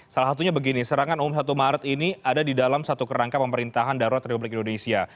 salah satunya begini serangan umum satu maret ini ada di dalam satu kerangka pemerintahan darurat republik indonesia